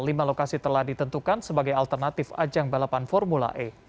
lima lokasi telah ditentukan sebagai alternatif ajang balapan formula e